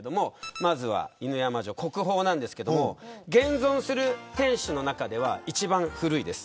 まずは犬山城、国宝なんですけど現存する天守の中では一番古いです。